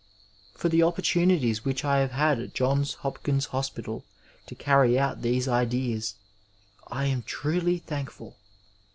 For the opportunities which I have had at Johns Hopkins Hospital to carry out these ideas, I am truly thank ful.